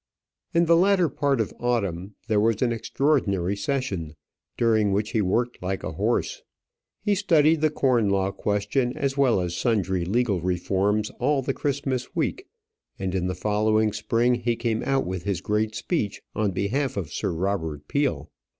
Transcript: In the latter part of autumn there was an extraordinary session, during which he worked like a horse. He studied the corn law question as well as sundry legal reforms all the Christmas week, and in the following spring he came out with his great speech on behalf of Sir Robert Peel.